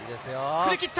振り切った。